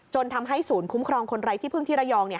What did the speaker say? ทำให้ศูนย์คุ้มครองคนไร้ที่พึ่งที่ระยอง